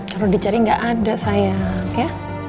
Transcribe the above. kalau dicari nggak ada sayang ya